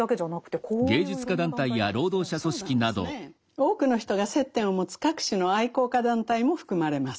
多くの人が接点を持つ各種の愛好家団体も含まれます。